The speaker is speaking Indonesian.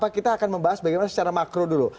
kita akan membahas bagaimana secara makro dulu